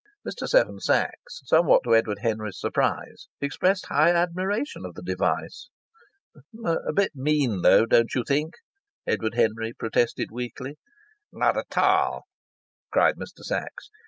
Mr. Seven Sachs, somewhat to Edward Henry's surprise, expressed high admiration of the device. "A bit mean, though, don't you think?" Edward Henry protested weakly. "Not at all!" cried Mr. Sachs.